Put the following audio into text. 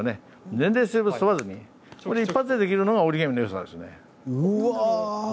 年齢、性別問わずに一発でできるのが折り紙のよさです。